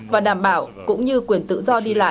và đảm bảo cũng như quyền tự do đi lại